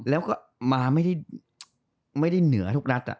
แล้วก็มาไม่ได้เหนือทุกรัฐ